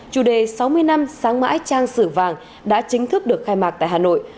chủ đề sáu mươi năm sáng mãi trang sử vàng đã chính thức được khai mạc tại hà nội